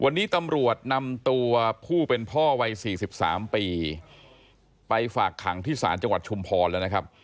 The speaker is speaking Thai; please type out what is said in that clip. วันนี้ตำรวจนำตัวผู้เป็นพ่อวัย๔๓ปีไปฝากขังที่ศาลจังหวัดชุมพรแล้วนะครับ